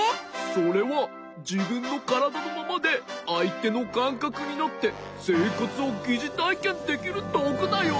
それはじぶんのからだのままであいてのかんかくになってせいかつをぎじたいけんできるどうぐだよ。